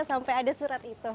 sampai ada surat itu